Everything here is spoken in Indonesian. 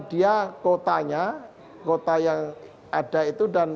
dia kotanya kota yang ada itu dan